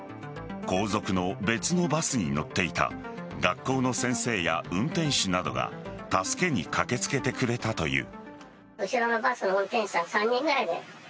後続の別のバスに乗っていた学校の先生や運転手などが助けに駆けつけてくれたという。